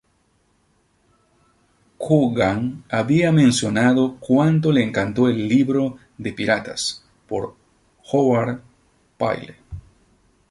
Coogan había mencionado cuánto le encantó el "libro de Piratas" por Howard Pyle.